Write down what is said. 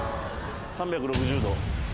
３６０度。